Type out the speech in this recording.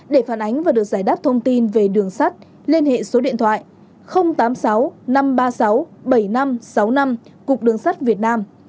để phản ánh và được giải đáp thông tin về đường sắt liên hệ số điện thoại tám mươi sáu năm trăm ba mươi sáu bảy nghìn năm trăm sáu mươi năm cục đường sắt việt nam